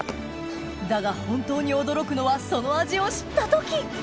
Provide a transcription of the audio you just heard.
だが本当に驚くのはその味を知った時！